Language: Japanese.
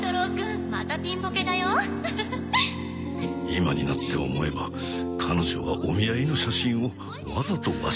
今になって思えば彼女はお見合いの写真をわざとワシに頼んだのだ。